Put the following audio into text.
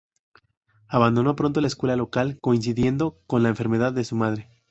Abandonó pronto la escuela local coincidiendo con la enfermedad de su madre.